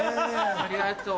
ありがとう。